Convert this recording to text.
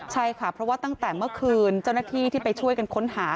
ใช่ค่ะเพราะว่าตั้งแต่เมื่อคืนเจ้าหน้าที่ที่ไปช่วยกันค้นหา